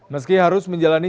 meski harus menjalani